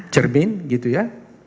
cermin gitu ya